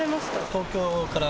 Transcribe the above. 東京から。